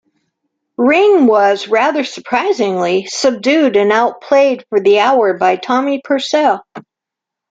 Ring was, rather surprisingly, subdued and outplayed for the hour by Tommy Purcell.